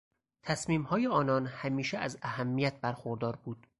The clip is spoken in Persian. تصمیمهای آنان همیشه از اهمیت برخوردار بود.